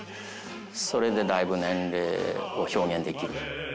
それでだいぶ年齢を表現できる。